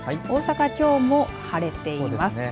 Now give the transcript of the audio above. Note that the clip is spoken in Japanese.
大阪、きょうも晴れています。